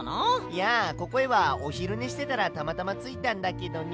いやここへはおひるねしてたらたまたまついたんだけどね。